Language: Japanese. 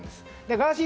ガーシー